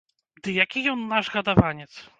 Ды які ён наш гадаванец?